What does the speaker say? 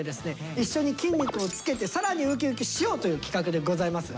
一緒に筋肉をつけてさらにウキウキしようという企画でございます。